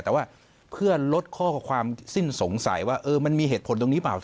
แต่ว่าเพื่อลดข้อความสิ้นสงสัยว่ามันมีเหตุผลตรงนี้เปล่า